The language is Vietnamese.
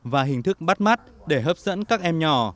và hình thức bắt mắt để hấp dẫn các em nhỏ